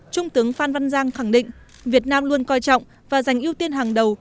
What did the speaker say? trung tướng phan van giang khẳng định việt nam luôn coi trọng và giành ưu tiên hàng đầu